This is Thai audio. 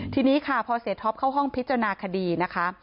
ทีนี้ค่ะพอเสียท็อปเข้าห้องพิจารณาคดีนะคะ